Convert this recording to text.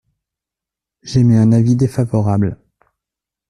J’émets un avis défavorable.